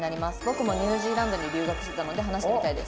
「僕もニュージーランドに留学してたので話してみたいです」。